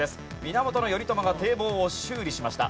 源頼朝が堤防を修理しました。